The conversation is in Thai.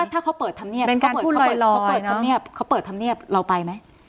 ถ้าเขาเปิดทำเนียบเราไปไหม